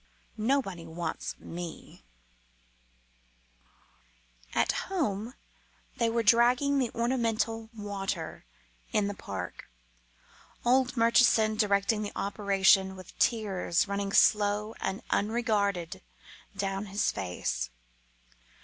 Nobody wants me " At home they were dragging the ornamental water in the park; old Murchison directing the operation with tears running slow and unregarded down his face.